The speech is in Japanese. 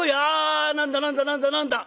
「何だ何だ何だ何だ！